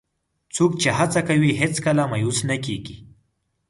څوک چې هڅه کوي، هیڅکله مایوس نه کېږي.